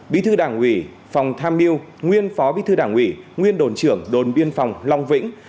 bí thư đảng ủy phòng tham mưu nguyên phó bí thư đảng ủy nguyên đồn trưởng đồn biên phòng long vĩnh